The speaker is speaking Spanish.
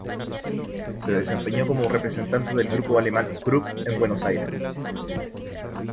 Se desempeñó como representante del grupo alemán Krupp en Buenos Aires.